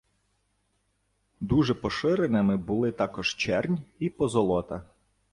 Дуже поширеними були також чернь і позолота.